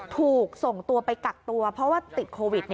ถูกส่งตัวไปกักตัวเพราะว่าติดโควิด